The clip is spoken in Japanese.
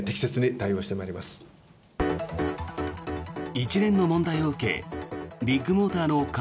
一連の問題を受けビッグモーターの兼